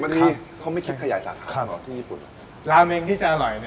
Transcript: ราเม็งที่จะอร่อยเนี่ย